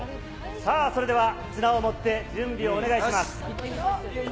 さあ、それでは綱を持って、準備をお願いします。